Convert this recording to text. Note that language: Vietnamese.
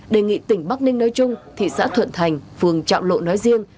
đề nghị tỉnh bắc ninh nói chung thị xã thuận thành phường trạm lộ nói riêng